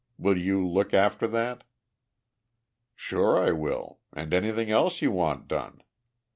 Will you look after that?" "Sure I will, and anything else you want done."